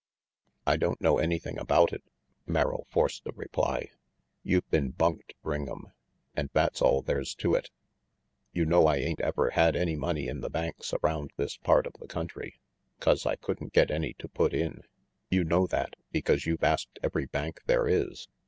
"I don't know anything about it," Merrill forced a reply. "You've been bunked, Ring'em, and that's all there's to it. You know I ain't ever had any money in the banks around this part of the country, 'cause I couldn't get any to put in. You know that, RANGY PETE 185 because you've asked every bank there is.